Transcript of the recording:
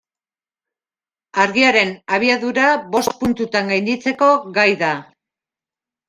Argiaren abiadura bost puntutan gainditzeko gai da.